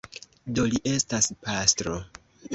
Do li estas pastro.